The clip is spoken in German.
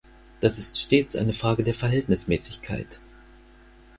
Das ist stets eine Frage der Verhältnismäßigkeit.